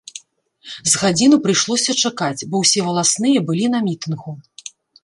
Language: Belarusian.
З гадзіну прыйшлося чакаць, бо ўсе валасныя былі на мітынгу.